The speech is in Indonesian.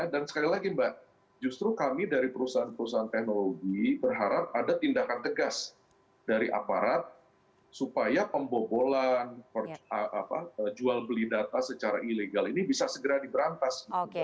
dan sekali lagi mbak justru kami dari perusahaan perusahaan teknologi berharap ada tindakan tegas dari aparat supaya pembobolan jual beli data secara ilegal ini bisa segera diberantas